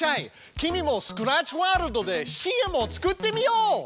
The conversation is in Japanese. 君もスクラッチワールドでＣＭを作ってみよう！